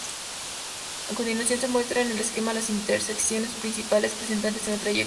A continuación se muestra en el esquema las intersecciones principales presentes en el trayecto.